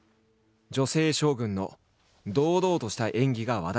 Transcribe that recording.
女性将軍の堂々とした演技が話題となった。